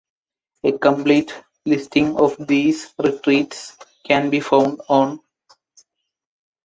A complete listing of these retreats can be found on.